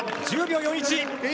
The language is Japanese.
１０秒４１。